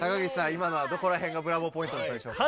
今のはどこらへんがブラボーポイントだったでしょうか？